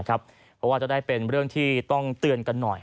เพราะว่าจะได้เป็นเรื่องที่ต้องเตือนกันหน่อย